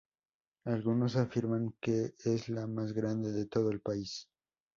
Algunos afirman que es la más grande de todo el país.